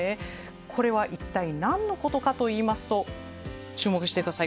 これは一体何のことかといいますと注目してください